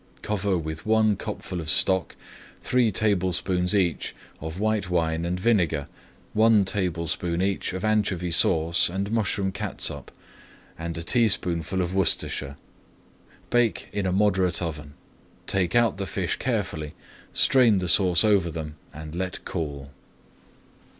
Cover with one cupful of stock, three tablespoonfuls each of white wine and vinegar, one tablespoonful each of anchovy sauce and mushroom catsup, and a teaspoonful of Worcestershire. Bake in a moderate oven. Take out the fish carefully, strain the sauce over them, and let cool.